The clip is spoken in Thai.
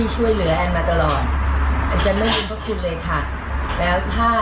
ช่วยเหลือมาตลอดอันจะร่วมคุณเลยค่ะแล้วถ้า